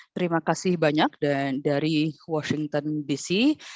terima kasih banyak dan dari washington dc